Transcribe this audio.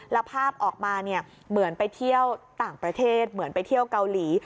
แล้วภาพออกมาเนี่ยเหมือนไปเที่ยวต่างประเทศเหมือนไปเที่ยวเกาหลี